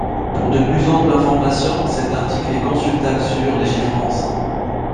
Pour de plus amples informations, cet article est consultable sur legifrance.